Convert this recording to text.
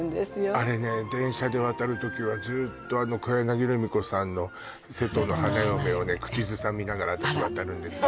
あれね電車で渡る時はずっと小柳ルミ子さんの「瀬戸の花嫁」をね口ずさみながら私渡るんですよ